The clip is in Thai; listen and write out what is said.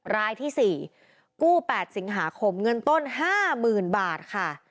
รายที่๔กู้๘สิงหาคมเงินต้น๕๐๐๐บาทค่ะ